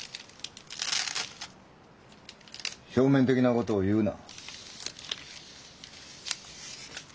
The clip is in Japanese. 表面的なことを言うな。